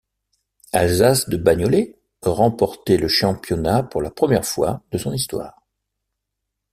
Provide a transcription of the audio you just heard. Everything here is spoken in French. Alsace de Bagnolet remporté le championnat pour la première fois de son histoire.